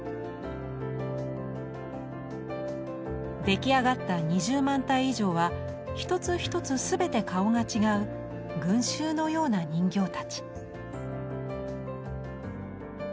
出来上がった２０万体以上は一つ一つ全て顔が違う群衆のような人形たち。